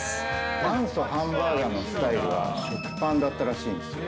元祖ハンバーガーのスタイルは食パンだったらしいんですよ。